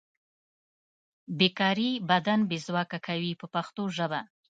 بې کاري بدن بې ځواکه کوي په پښتو ژبه.